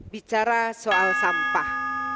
bicara soal sampah